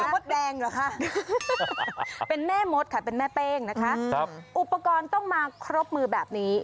มดแดงเหรอคะเป็นแม่มดค่ะเป็นแม่เป้งนะคะอุปกรณ์ต้องมาครบมือแบบนี้